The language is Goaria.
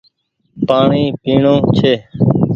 پآڻيٚ پيڻو ڇي